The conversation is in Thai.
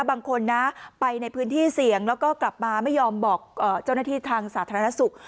บางคนนะไปในพื้นที่เสี่ยงแล้วก็กลับมาไม่ยอมบอกเจ้าหน้าที่ทางสาธารณสุข